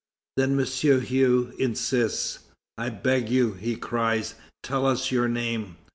Then M. Hue insists. "I beg you," he cries, "tell us your name."